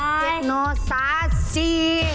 กิดเนาสาซี